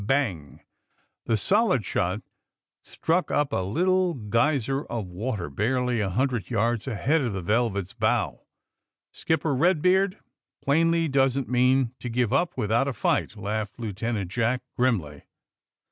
Bang ! The solid shot struck up a little gey ser of water barely a hundred yards ahead of the Velvet's" bow. '* Skipper Eedbeard plainly doesn't mean to give up without a fight," laughed Lieutenant Jack grimly.